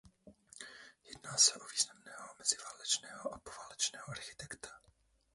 Jedná se o významného meziválečného a poválečného architekta.